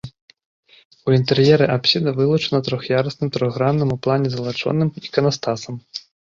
У інтэр'еры апсіда вылучана трох'ярусным трохгранным у плане залачоным іканастасам.